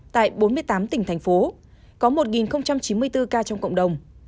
tại bốn mươi tám tỉnh thành phố có một chín mươi bốn ca trong cộng đồng